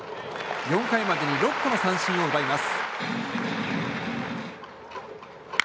４回までに６個の三振を奪います。